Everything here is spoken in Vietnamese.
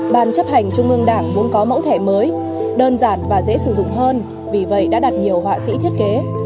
ban chấp hành trung ương đảng muốn có mẫu thẻ mới đơn giản và dễ sử dụng hơn vì vậy đã đặt nhiều họa sĩ thiết kế